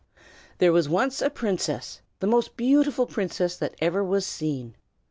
There was once a princess, the most beautiful princess that ever was seen.